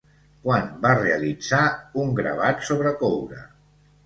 Quan va realitzar un gravat sobre coure?